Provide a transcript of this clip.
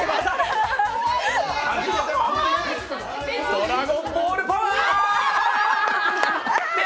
ドラゴンボールパワー。